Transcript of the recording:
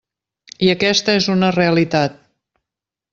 I aquesta és una realitat.